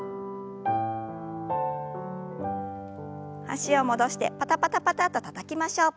脚を戻してパタパタパタとたたきましょう。